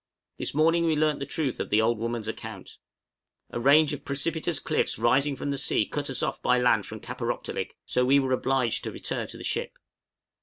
This morning we learnt the truth of the old woman's account. A range of precipitous cliffs rising from the sea cut us off by land from Kaparōktolik, so we were obliged to return to the ship.